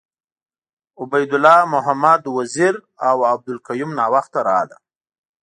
عبید الله محمد وزیر اوعبدالقیوم ناوخته راغله .